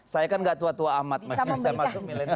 saya kan gak tua tua amat masih bisa masuk milenial